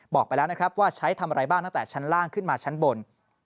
บอกไปแล้วนะครับว่าใช้ทำอะไรบ้างตั้งแต่ชั้นล่างขึ้นมาชั้นบน